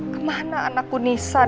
kemana anakku nisa dan nisa